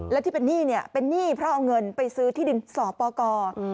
และที่เป็นหนี้เนี่ยเป็นหนี้เพราะเอาเงินไปซื้อที่ดินสอปกร